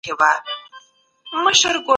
څېړونکی یو روڼ اندئ شخصیت وي.